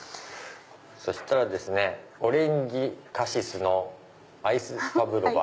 そしたらですねオレンジカシスのアイスパブロバ。